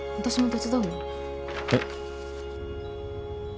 えっ。